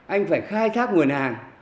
anh phải khai thác nguồn hàng